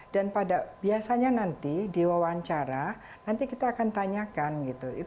dan pada biasanya nanti diwawancara nanti kita akan tanyakan gitu